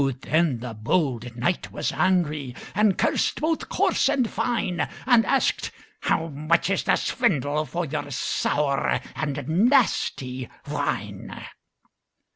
Oh, then the bold knight was angry, And cursed both coarse and fine; And asked, "How much is the swindle For your sour and nasty wine?"